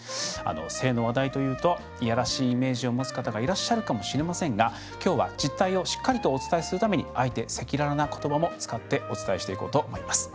性の話題というといやらしいイメージを持つ方がいらっしゃるかもしれませんがきょうは実態をしっかりとお伝えするためにあえて赤裸々なことばも使ってお伝えしていこうと思います。